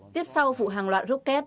tiếp sau vụ hàng loạt rút két